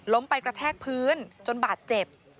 ไปกระแทกพื้นจนบาดเจ็บ